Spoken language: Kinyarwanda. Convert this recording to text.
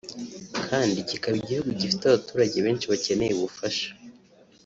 kandi kikaba igihugu gifite abaturage benshi bakeneye ubufasha